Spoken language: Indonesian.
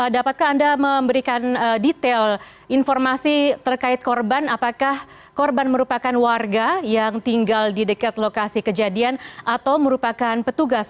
dapatkah anda memberikan detail informasi terkait korban apakah korban merupakan warga yang tinggal di dekat lokasi kejadian atau merupakan petugas